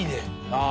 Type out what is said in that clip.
ああ